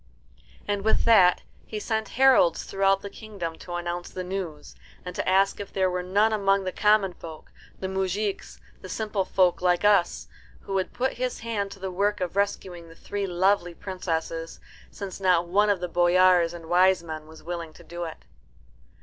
And with that he sent heralds throughout the kingdom to announce the news, and to ask if there were none among the common folk, the moujiks, the simple folk like us, who would put his hand to the work of rescuing the three lovely princesses, since not one of the boyars and wise men was willing to do it.